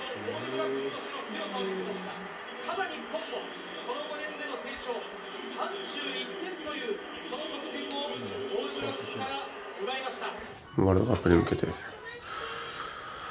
ただ日本もこの５年での成長３１点というその得点をオールブラックスから奪いました。